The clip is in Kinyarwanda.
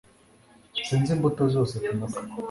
sinzi imbuto zose kumutwe